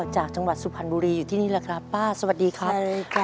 จังหวัดสุพรรณบุรีอยู่ที่นี่แหละครับป้าสวัสดีครับ